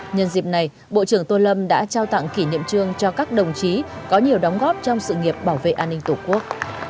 nhân dịp này bộ trưởng tô lâm đã trao tặng kỷ niệm trương cho các đồng chí có nhiều đóng góp trong sự nghiệp bảo vệ an ninh tổ quốc